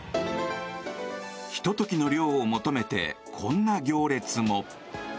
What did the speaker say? ひと時の涼を求めてこんな行列も。